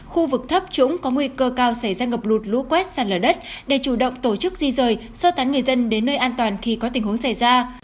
khu vực thấp trũng có nguy cơ cao xảy ra ngập lụt lũ quét sạt lở đất để chủ động tổ chức di rời sơ tán người dân đến nơi an toàn khi có tình huống xảy ra